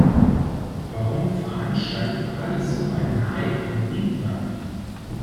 Warum veranstalten alle so einen Hype um Ingwer?